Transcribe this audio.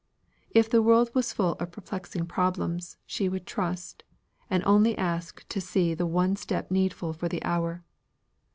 If the world was full of perplexing problems she would trust, and only ask to see the one step needful for the hour.